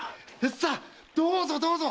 さあどうぞどうぞ！